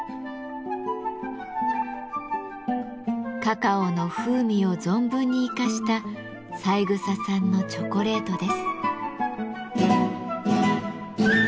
カカオの風味を存分に生かした三枝さんのチョコレートです。